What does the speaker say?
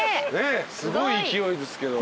すごい勢いですけど。